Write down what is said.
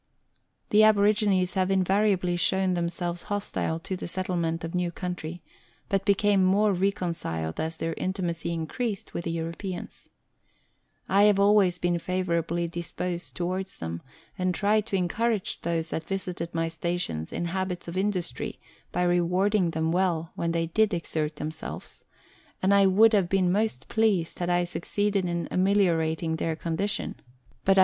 The aborigines have invariably shown themselves hostile to the settlement of new country, but became more reconciled as their intimacy increased with the Europeans. I have always been favourably disposed towards them, and tried to encourage those that visited my stations in habits of industry by rewarding them well when they did exert themselves, and I would have been most pleased had I succeeded in ameliorating their condition ; but I Letters from Victorian Pioneers.